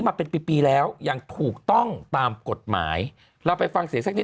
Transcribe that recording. มาเป็นปีปีแล้วอย่างถูกต้องตามกฎหมายเราไปฟังเสียงสักนิด